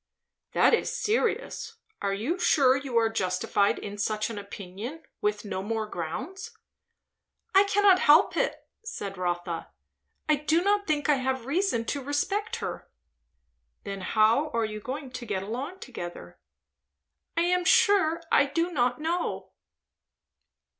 "That is serious! Are you sure you are justified in such an opinion, with no more grounds?" "I cannot help it," said Rotha. "I do not think I have reason to respect her." "Then how are you going to get along together?" "I am sure I do not know."